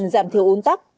giảm thiếu ung tắc